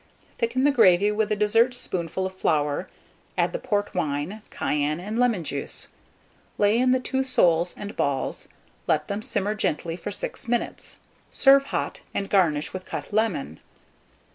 Thicken the gravy with a dessert spoonful of flour, add the port wine, cayenne, and lemon juice; lay in the 2 soles and balls; let them simmer gently for 6 minutes; serve hot, and garnish with cut lemon.